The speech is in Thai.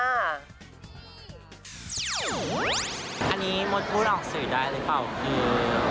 อันนี้มดพูดออกสื่อได้หรือเปล่าพี่